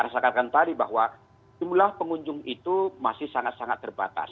saya katakan tadi bahwa jumlah pengunjung itu masih sangat sangat terbatas